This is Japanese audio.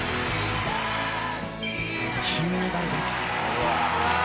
金メダルです。